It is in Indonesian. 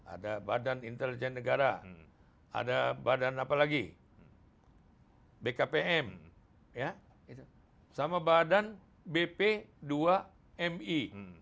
ada badan intelijen negara ada badan apa lagi bkpm sama badan bp dua mi